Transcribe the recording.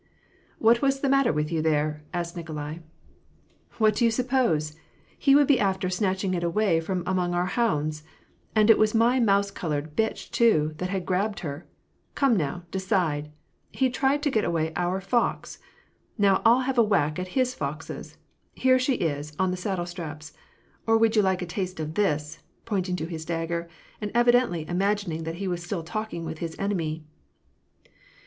" What was the matter with you there ?" asked Nikolai. " What do you suppose ! he would be after snatching it away from among our hounds ! And it was my mouse colored bitchy too, that had grabbed her ! Come now, decide ! He tried to get away our fox. Now I'll have a whack at his foxes. Here she is, on the saddle straps. Or would you like a taste of this ?" pointing to his dagger, and evidently imagining that he was still talking with his enemy.